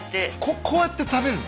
こっこうやって食べる？